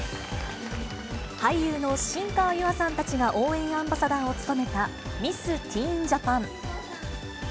俳優の新川優愛さんたちが応援アンバサダーを務めたミス・ティーン・ジャパン。